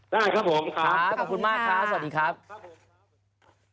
ได้ครับผมขอบคุณมากครับสวัสดีครับครับ